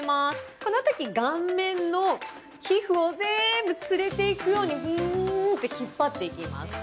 このとき顔面の皮膚を全部連れていくように、うーんって引っ張っていきます。